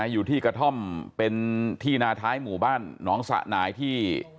อยู่ที่กระท่อมเป็นที่นาท้ายหมู่บ้านหนองสะหน่ายที่